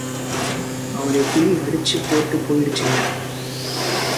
அவரை புலி அடிச்சு போட்டுட்டு போயிடுச்சுங்க!